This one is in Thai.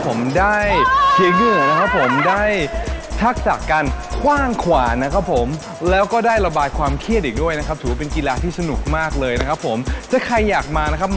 ผมไม่กล้ายโยนเพราะว่านี่มันใหญ่มาก